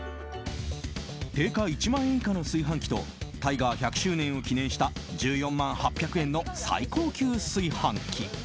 定価１万円以下の炊飯器とタイガー１００周年を記念した１４万８００円の最高級炊飯器。